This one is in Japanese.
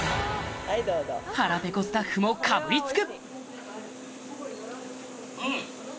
腹ぺこスタッフもかぶりつく！